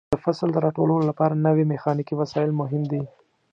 د فصل د راټولولو لپاره نوې میخانیکي وسایل مهم دي.